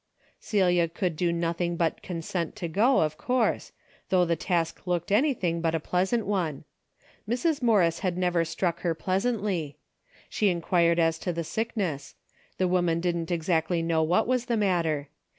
Celia could do nothing but consent to go, of course, though the task looked anything but a pleasant one. Mrs. Morris had never struck her pleasantly. She enquired as to the sick ness. The woman didn't exactly know what Avas the matter.